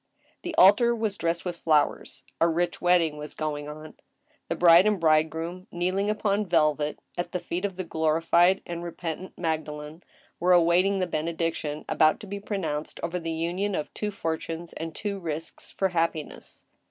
The altar was dressed with flowers. A rich wedding was going on. The bride and bridegroom, kneeling upon velvet at the feet of the glorified and repentant Magdalene, were awaiting the benediction about to be pronounced over the union of two fortunes and two risks for happiness.